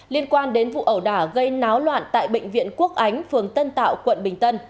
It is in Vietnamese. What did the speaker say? liên quan đến vụ ẩu đả gây náo loạn tại bệnh viện quốc ánh phường tân tạo quận bình tân